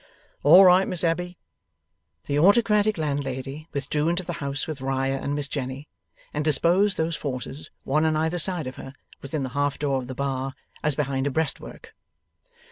'All right, Miss Abbey.' The autocratic landlady withdrew into the house with Riah and Miss Jenny, and disposed those forces, one on either side of her, within the half door of the bar, as behind a breastwork.